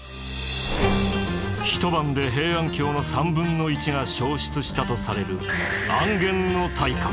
一晩で平安京の３分の１が焼失したとされる安元の大火。